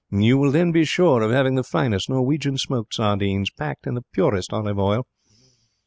You will then be sure of having the finest Norwegian smoked sardines, packed in the purest olive oil."'